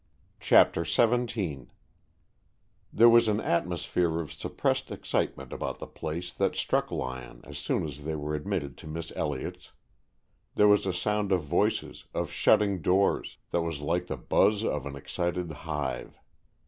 CHAPTER XVII There was an atmosphere of suppressed excitement about the place that struck Lyon as soon as they were admitted to Miss Elliott's. There was a sound of voices, of shutting doors, that was like the buzz of an excited hive.